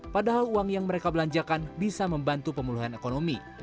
padahal uang yang mereka belanjakan bisa membantu pemulihan ekonomi